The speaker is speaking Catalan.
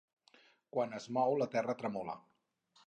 Quan es mou, la Terra tremola.